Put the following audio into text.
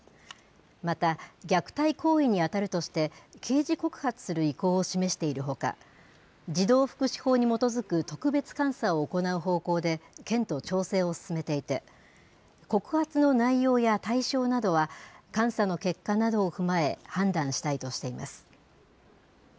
また虐待行為に当たるとして、刑事告発する意向を示しているほか、児童福祉法に基づく特別監査を行う方向で県と調整を進めていて、告発の内容や対象などは、監査の結果などを踏まえ、判断したいとしています。